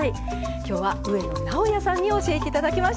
今日は上野直哉さんに教えて頂きました。